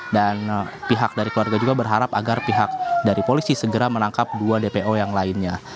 dan pihak dari keluarga juga berharap agar pihak dari polisi segera menangkap dua dpo yang lainnya